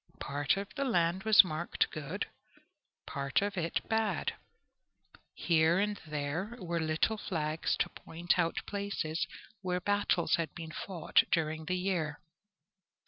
Part of the land was marked good, part of it bad. Here and there were little flags to point out places where battles had been fought during the year.